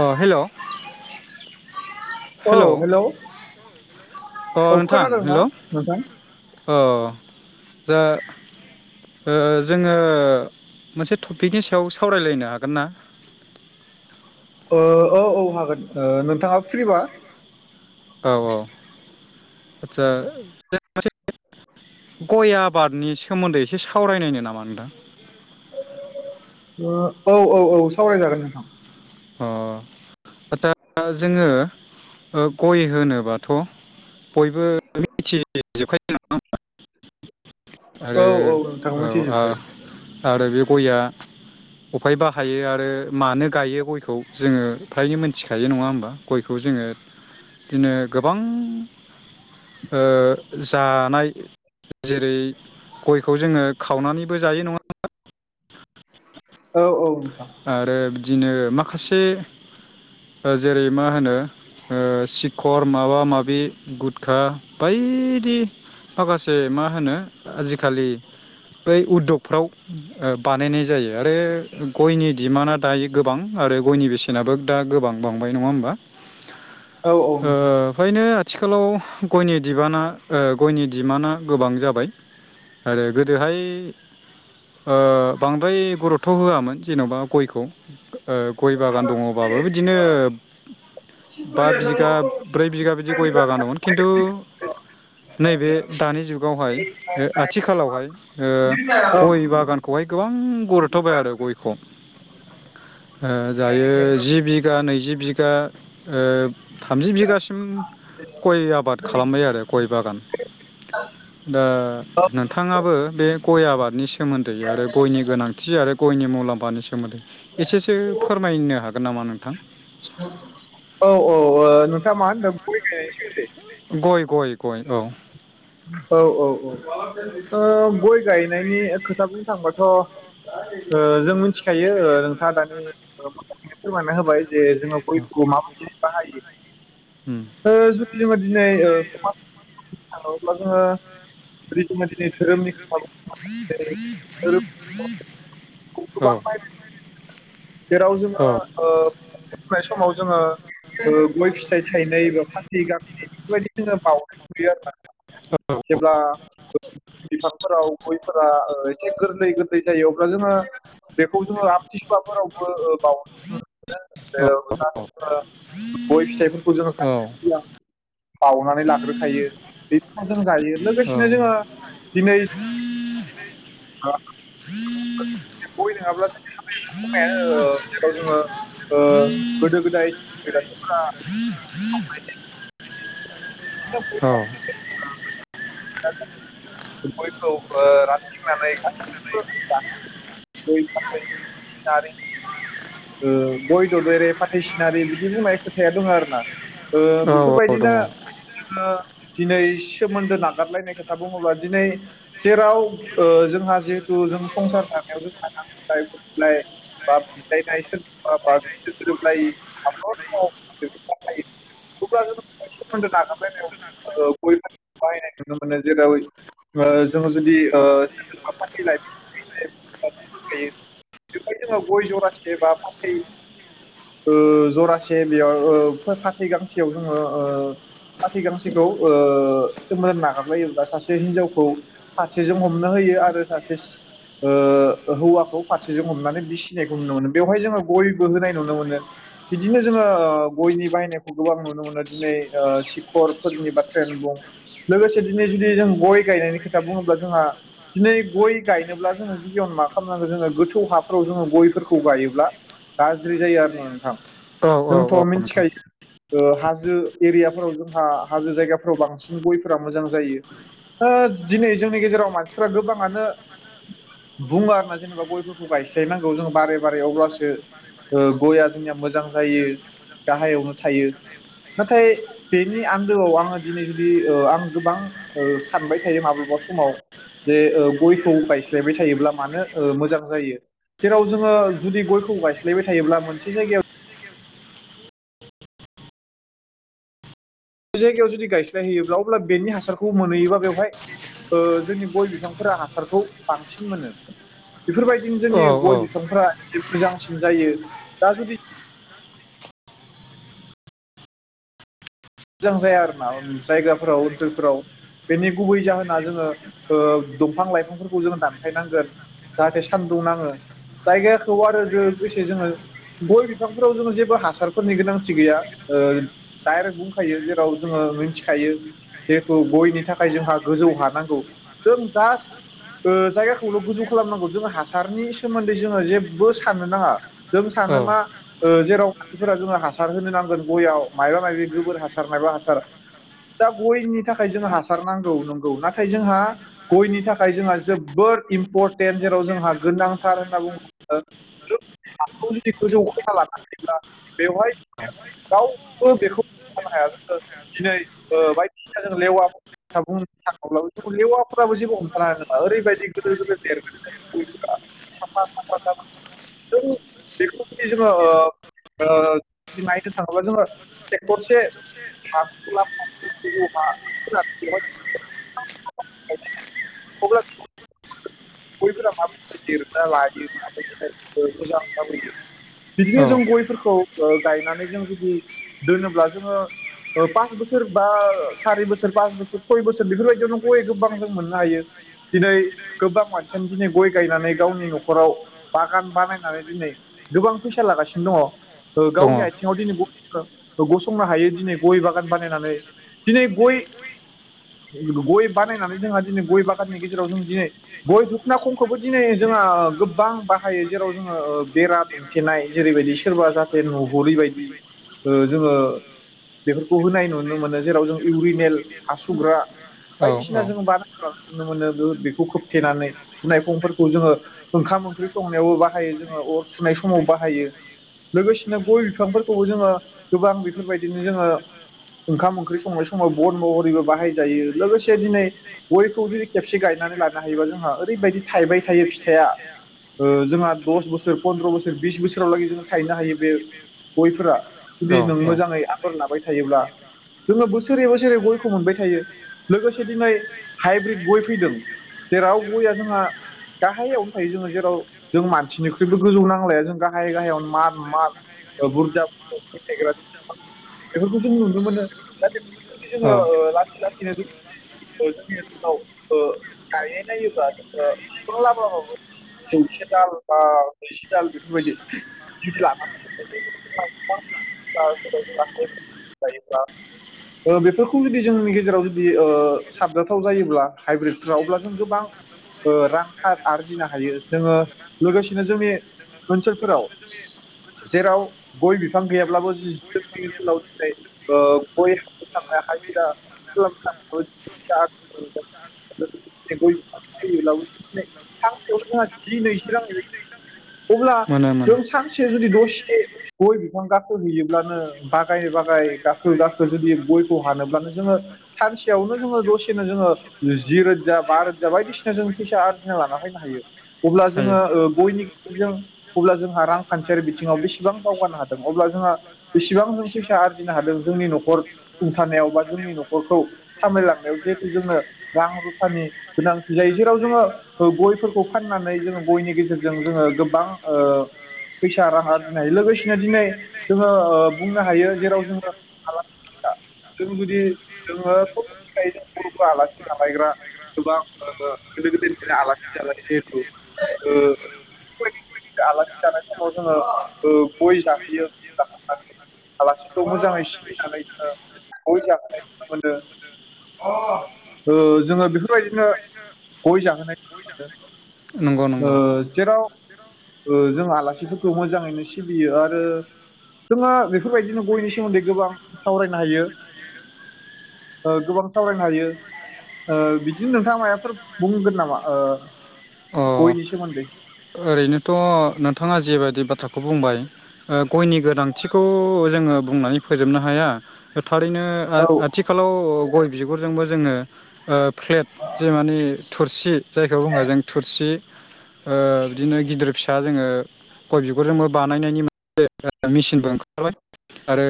अ hello औ hello औ नोंथां खोनादों ना हेल' नोंथां? अ दा ओ जोङो मोनसे टपिकनि सायाव सावरायलायनो हागोन ना? ओ औ औ हागोन ओ नोंथाङा फ्रिबा औ औ आदसा मोनसे गय आबादनि सोमोन्दै एसे सावरायनायो नामा नोंथां ओ औ औ औ सावरायजागोन नोंथां अ आदसा जोङो गय होनोबाथ बयबो मिथिजोबखायो नङा होमब्ला? औ आरो औ नोंथां औ आ मिथिजोबखायो आरो बे गयआ अफाय बाहायो आरो मानो गायो गयखौ ग जोंङो फ्रायनो मोनथिखायो नङा होमबा गयखौ जोंङो बिदिनो गोबां जानाय जेरै गयखौ जोंङो खावनानैबो जायो नङा होमबा औ औ नोंथां आरो बिदिनो माखासे ओ जेरै मा होनो ओ सिखर माबा माबि गुटखा बायदि माखासे मा होनो आजि खालि बै उदगफ्राव बानायनाय जायो आरो गयनि डिमान्डआ दायो गोबां आरो गयनि बेसेनाबो दा गोबां बांबाय नङा होमबा औ औ ओ नोंथां औ फोयनो आथिखालाव गयनि बिबाना गयनि बिबाना गोबां जाबाय आरो गोदोहाय ओ बांद्राय गुरुतथ' होआमोन जेन'बा गयखौ गय बागान दङबाबो बिदिनो बा बिगा ब्रै बिगा बिदि गय बागान दंमोन खिन्थु [unintelligible] नैबे दानि जुगावहाय आथिखालावहाय गय बागानखौहाय गोबां गुरथ'बाय आरो गयखौ जायो जि बिगा नैजि बिगा ओ थामजि बिगासिम गय आबाद खालामबाय आरो गय बागान दा नोंथाङाबो बे गय आबादनि सोमोन्दै आरो गयनि गोनांथि जायो आरो गयनि मुलाम्फानि एसेसो फोरमायनो हागोन नामा नोंथां औ ओ मा नोंथाङा होनदों गाय गथायनायनि सोमोन्दै गय गय गय औ औ औ औ ओ गय गायनायनि खोथा बुंनो थाङबाथ' जों मिथिखायो नोंथाङा दानिथनो फोरमायना होबाय जे जोङो गयखौ माबायदि उम बाहायो जुदि जोङो दिनै समाज औ अब्ला जोङो [unintelligible] धोरोमनि खोथा जेरै धोरोम गोबां औ बायनाय जेराव औ जोङो फोनाय समाव जोङो गय फिसाइ थायनै बा फाथै गाखि बेफोरबायदि जोङो बावनाय नुयो आर ना औ जेब्ला बिफांफोराव गयफोरा गोरलै गोरलै जायो अब्ला जोङो बेखौ जोङो [unintelligible] न मोन आरो औ गय फिथाइफोरखौ जों औ बावउनानै लाग्रोखायो बेफोर जों जायो लोगोसेनो जोंहा दिनै [unintelligible] गय जाब्लासो [unintelligible] जेराव जोङो ओ गोदो गोदाय [unintelligible] गयखौ राखिनानै [unintelligible] [unintelligible] गय ददेरे, फाथै सिनारि बिदि बुंनाय खोथाया दङ आरो ना ओ औ औ बेफोरबायदिनो दङ जोङो दिनै सोमोन्दो नागारलायनाय खोथा बुङोब्ला दिनै जेराव जोंहा जिहेथु जों संसार जानायाव जों नांलाय-खमलाय बा बुलायनाय बा सोरबाजोंबा गोरोबलायिखौ गाज्रि मोननायाव सोमोन्दो नागारलायनायाव गय-फाथैखौ बाहायनाय नुनो मोनो जेराव ओ जोङो जुदि सोरजोंबा फाथै लाइ बेवहाय जोङो गय जरासे बा फाथै ओ जरासे बेयाव ओ फाथै गांसेयाव जोङो फाथै गांसेखौ ओ सोमोन्दो नागारलायोब्ला सासे हिनजावखौ फारसेजों हमनो होयो आरो सासे ओ हौवाखौ फारसेजों हमनानै बिसिनायखौ नुनो मोनो बेवहाय जोङो गयबो होनाय नुनो मोनो। बिदिनो जोङो गयनि बायनायखौ गोबां नुनो मोनो दिनै सिखरफोरनि बाथ्रायानो बुं लोगोसे दिनै जुदि जों गय गायनायनि खोथा बुङोब्ला जोंहा दिनै गय गाय ब्ला जोङो गिबियावनो मा खालामनांगौ जोङो गोथौ हाफोराव जोङो गयफोरखौ गायोब्ला गाज्रि जायो आरो ना नोंथां औ जोंथ औ नोंथां मिथिखायो ओ हाजो एरियाफोराव जोंहा हाजो जायगाफोराव बांसिन गयफोरा मोजां जायो ओ दिनै जोंनि गेजेराव मानसिफोरा गोबाङानो बुङो आरोना जेनेबा गयफोरखौ गायस्लायनांगौ जों बारे बारे अब्लासो गया जोंनिया मोजां जायो गाहायावनो थायो नाथाय बेनि आन्दोआव आङो दिनै ओ जुदि आं गोबां सानबाय थायो माब्लाबा समाव जे गय गयखौ गायस्लायबाय थायोब्ला मानो ओ मोजां जायो जेराव जोङो जुदि गयखौ गायस्लायबाय थायोब्ला मोनसे जायगायाव जायगायाव जुदि गायस्लायहैयोब्ला अब्ला बेनि हासारखौ मोनहैयोबा बेवहाय ओ जोंनि गय बिफांफोरा हासारखौ बांसिन मोनो। बेफोरबायदिनो औ जोंनि औ गय दङ औ बिफ्रा जे मोजांसिन जायो दा जुदि मोजां जाया आरो ना जायगाफोराव ओनसोलफोराव बेनि गुबै जाहोना जोङो ओ दंफां-लाइफांफोरखौ जोङो दानफायनांगोन जाहाथे सानदुं नाङो जायगाखौ आरो लोगोसे जोङो गय बिफांफोराव जोङो जेबो हासारफोरनि गोनांथि गैया ओ दायरेक्ट गायो जेराव जोङो मिथिखायो जिहेथु गयनि थाखाय जोंहा गोजौ हा नांगौ जों दा जायगा जायगाखौल गोजौ खालामनांगौ जोङो हासारनि सोमोन्दै जोङो जेबो साननो नाङा जों सानो मा ओ जेराव मानसिफोरा जोङो हासार होनो नांगोन गयाव मायबा मायबि गोबोर हासार हासार मायबा हासार दा गयनि थाखाय जों हासार नांगौ नंगौ नाथाय जोंहा गयनि थाखाय जोंहा जोबोद इम्परटेन्ट जेराव जोंहा गोनांथार होनना बुङोब्ला हाखौ जुदि गोजौ खोना लायोब्ला बेवहाय रावबो बेखौ हाया जोङो दिनै ओ बायदिसिना जो लेवा बुंनो थाङोब्लाबो जों लेवाफोराबो जेबो हमथानो हानाय नङा ओरैबायदि गेदेर गेदेर देरगोन जोंनि गयफ्रा जों बेखौ जुदि जोङो नायनो थाङोब्ला जोङो ट्रेक्टरसे हा फोरा माबिथ देरग्रा लायो न फि मोसा होयो [unintelligible] बिदिनो जों गयफोरखौ ओ गायनानै जों जुदि दोनोब्ला जोङो ओ पास बोसोर बा सारि बोसोर पास बोसोर सय बोसोर बेफोरबायदियावनो गय गोबां जों मोननो हायो। दिनै गोबां मानसियानो दिनै गय गायनानै गावनि न'खराव बागान बानायनानै दिनै गोबां फैसा लागासिनो दङ ओ गावनि आथिङाव दिनै गसंनो हायो दिनै गय बागान बानायनानै दिनै गय गय बानायनानै जोंहा दिनै गय बागाननि गेजेराव जों दिनै गय दधखना खमखौबो दिनै जोंहा गोबां बाहायो जेराव जोङो बेरा दुमथेनाय जेरैबायदि सोरबा जाहाथे नुहुरिबायदि जोङो बेफोरखौ होनाय नुनो मोनो जेराव जों इउरिनेल हासुग्रा बायदिसिना जोंङो बानाय नुनो मोनो बेखौ खोबथेनानै दुनायखंफोरखौ जोङो ओंखाम ओंख्रि संनायावबो बाहायो जोङो अर सुनाय समाव बाहायो लोगोसेनो गय बिफांफोरखौबो जोङो गोबां बेफोरबायदिनो जोङो ओंखाम-ओंख्रि संनाय समाव बन महरैबो बाहाजायो लोगोसे दिनै गयखौ जुदि खेबसे गायनानै लानो हायोबा जोंहा ओरैबायदि थायबाय थायो फिथाइआ जोंहा दस बोसोर फन्द्र' बोसोर बिस बोसोरावलागै जों थायनो हायो बे गयफोरा जुदि नों औ औ मोजाङै फोर लाबाय थायोब्ला जोङो बोसोरै बोसोरै गयखौ मोनबाय थायो। लोगोसे दिनै हाइब्रिद गय फैदों जेराव गयया जोंहा गाहायावनो थायो जोङो, जेराव जों मानसिनिख्रुइबो गोजौ नांलाया जों गाहायै गाहायावनो मार माल बुरजा थायग बेफोरखौ जों नुनो मोनो दा बे जोङो औ लासै जोंनि ओनसोलाव ओ गायनाय जायोब्ला जोङो बिफां लाबोबाबो जौसे दाल बा गुजि दाल बेफोरबायदि जुदि लाफ गायोब्ला ओ बेफोरखौ जुदि जोंनि गेजेराव जुदि साबजाथाव जायोब्ला हाइब्रिदफ्राव अब्ला जों गोबां रांखौ आरजिनो हायो जोङो लोगोसेनो जोंनि ओनसोलफोराव जेराव गय बिफां गैयाब्लाबो जि जि ओनसोलाव दिनै ओ गय [unintelligible] अब्ला मोनो मोनो जों सान दसे जुदि दसे गय बिफां गाखौ हैयोब्लानो बागाय बागाय गाखो गाखो जुदि गयखौ हानोब्लानो जोङो सानसेयावनो जोङो दसेनो जोङो जि रोजा बा रोजा बायदिसिना जों फैसा आरजिना लाना फैनो हायो। अब्ला हायो जोङो ओ गयनि जों अब्ला जोंहा रांखान्थियारि बिथिङाव बेसेबां दावगानो हादों अब्ला जोंहा बिस सेबां जों फैसा आरजिनो हादों जोंनि न'खर खुंथानायाव बा जोंनि न'खरखौ सामलायलांनायाव जिहेथु जोंनो रां रुफानि गोनांथि जायो जेराव जोङो ओ गयफोरखौ फाननानै जोङो गयनि गेजेरजों जोङो गोबां ओ फैसा रां आरजिनो हायो लोगोसेनो दिनै जोङो ओ बुंनो हायो जेराव जों आलासि [unintelligible] जों जुदि जोङो [unintelligible] मिथिखायो जों बर'फोरा आलासि जालायग्रा गोबां ओ गोदो गोदायनिफ्रायनो आलासि जालायो जिहेथु ओ [unintelligible] आलासि जानाय समाव जोङो ओ गय जाहोयो [unintelligible] आलासिखौ मोजाङै सिबिनानै जोङो गय जाहोनाय नुनो मोनो ओ जोङो बेफोरबायदिनो गय जाहोनाय नुनो मोनदों। नंगौ ओ नंगौ जेराव ओ जों आलासिफोरखौ मोजाङैनो सिबियो आरो जोंहा बे बेफोरबायदिनो गयनि सोमोन्दै गोबां सावरायनो हायो ओ गोबां सावरायनो हायो ओ बिदिनो नोंथाङा मायबाफोर बुंगोन नामा ओ अ गयनि सोमोन्दै? ओरैनोथ' नोंथाङा जेबादि बाथ्राखौ बुंबाय ओ गयनि गोनांथिखौ जोङो बुंनानै फोजोबनो हाया थारैनो ओ औ आथिखालाव गय बिगुरजोंबो जोङो ओ फ्लेट जे माने थुरसि जायखौ बुङो जों थुरसि ओ बिदिनो गिदिर फिसा जोङो गय बिगुरजोंबो बानायनायनि मो [unintelligible] मिसिनबो ओंखारबाय आरो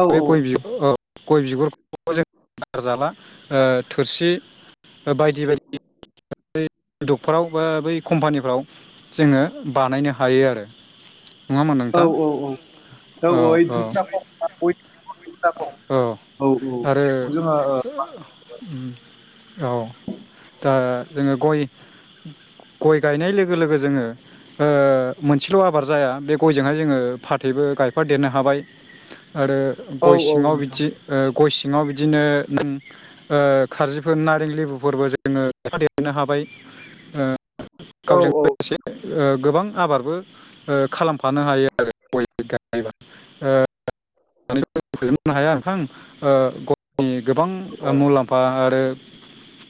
औ बे गय [unintelligible] औ गय बिगुरखौ जों बार जाला थोरसि बायदि बायदि [unintelligible] [unintelligible] दफोराव बा बै कम्पानिफ्राव जोङो बानायनो हायो आरो। नङामोन औ नोंथां औ औ औ ओइ औ धुपदाखं गय धुपदाखं औ औ आरो बेखौ जोङो ओ, औ दा जोङो गय गय गायनाय लोगो लोगो जोङो ओ मोनसेल' आबाद जाया बे गयजोंहाय जोङो फाथैबो गायफा देरनो हाबाय। आरो औ गय औ सिङाव नोंथां बिदि ओ गय सिङाव बिद दिनो उम ओ खारजिफोर नारें लेबुफोरबो जोङो [unintelligible] नो हाबाय ओ औ गावजों लोगोसे ओ गोबां आबादबो ओ खालामफानो हायो आरो गय गायोबा [unintelligible] [unintelligible] गोबां औ मुलाम्फा आरो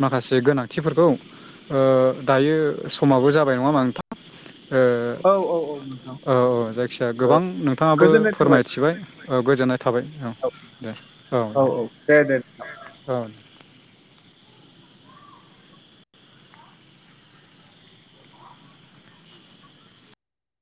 माखासे गोनां थिफोरखौ ओ दायो समाबो जाबाय नङा होबा नोंथां? औ औ नोंथां ओ औ जायखिजाया ओ, गोबां नोंथाङाबो गोजोननाय थाबाय फोरमायथिबाय। ओ गोजोननाय थाबाय नोंथां औ दे औ औ दे दे औ औ।